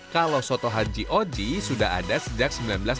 kalau soto haji oji sudah ada sejak seribu sembilan ratus delapan puluh